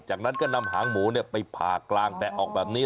จากนั้นก็นำหางหมูไปผ่ากลางแปะออกแบบนี้